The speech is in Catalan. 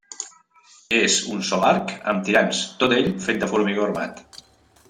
És un sol arc amb tirants tot ell fet de formigó armat.